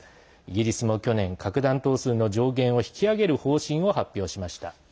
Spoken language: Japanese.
イギリスも去年核弾頭数の上限を引き上げる方針を発表しました。